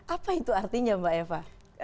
apa itu artinya mbak eva